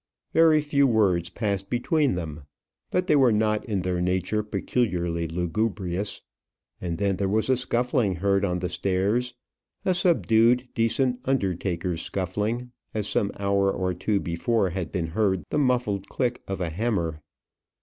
Very few words passed between them, but they were not in their nature peculiarly lugubrious. And then there was a scuffling heard on the stairs a subdued, decent undertaker's scuffling as some hour or two before had been heard the muffled click of a hammer.